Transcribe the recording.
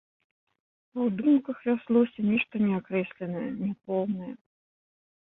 А ў думках вярзлося нешта неакрэсленае, няпоўнае.